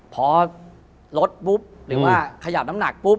พอลดปุ๊บหรือว่าขยับน้ำหนักปุ๊บ